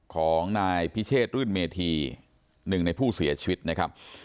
ของนายพิเชษรื่นเมธีหนึ่งในผู้เสียชีวิตนะครับ